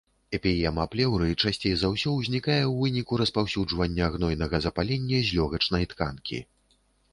Эмпіема плеўры часцей за ўсё ўзнікае ў выніку распаўсюджвання гнойнага запалення з лёгачнай тканкі.